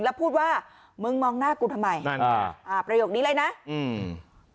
แล้วพูดว่ามึงมองหน้ากูทำไมนั่นอ่าอ่าประโยคนี้เลยนะอืม